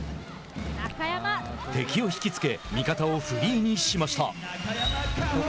敵を引きつけ味方をフリーにしました。